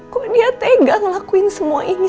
kok dia tegang lakuin semua ini